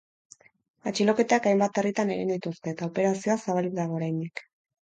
Atxiloketak hainbat herritan egin dituzte, eta operazioa zabalik dago oraindik.